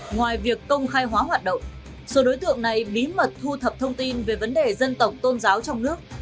ngoài việc công khai hóa hoạt động số đối tượng này bí mật thu thập thông tin về vấn đề dân tộc tôn giáo trong nước